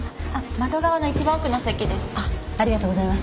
窓側の一番奥の席です。